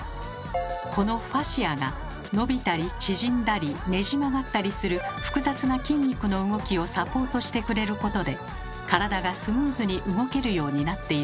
このファシアが伸びたり縮んだりねじ曲がったりする複雑な筋肉の動きをサポートしてくれることで体がスムーズに動けるようになっているのです。